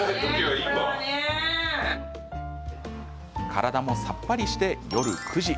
体もさっぱりして、夜９時。